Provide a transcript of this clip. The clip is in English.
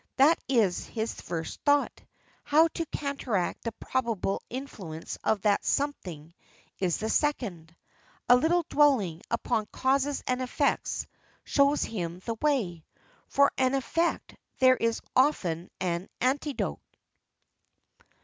That is his first thought. How to counteract the probable influence of that "something" is the second. A little dwelling upon causes and effects shows him the way. For an effect there is often an antidote!